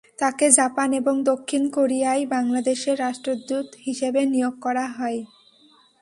তাঁকে জাপান এবং দক্ষিণ কোরিয়ায় বাংলাদেশের রাষ্ট্রদূত হিসেবে নিয়োগ করা হয়।